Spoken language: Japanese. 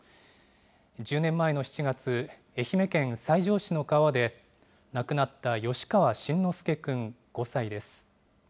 １０年前の７月、愛媛県西条市の川で亡くなった吉川慎之介くん５歳です。